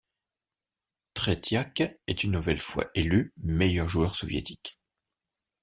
Tretiak est une nouvelle fois élu meilleur joueur soviétique.